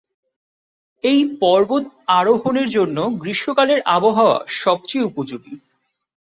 এই পর্বত আরোহণের জন্য গ্রীষ্মকালের আবহাওয়া সবচেয়ে উপযোগী।